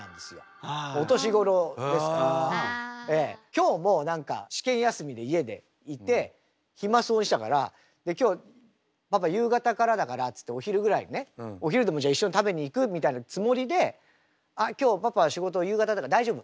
今日も何か試験休みで家でいて暇そうにしてたから今日パパ夕方からだからっつってお昼ぐらいにねお昼でもじゃあ一緒に食べに行く？みたいなつもりで「あっ今日パパ仕事夕方だから」「大丈夫」。